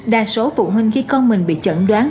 đa số phụ huynh khi con mình bị chẩn đoán